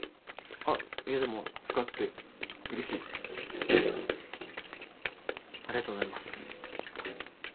あっいやでも使ってよ嬉しいよありがとうございます